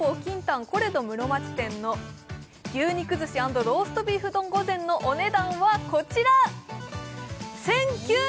コレド室町店の牛肉寿司＆ローストビーフ丼御膳のお値段はこちら！